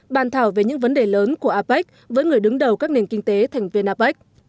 bàn thảo về những vấn đề lớn của apec với người đứng đầu các nền kinh tế thành viên apec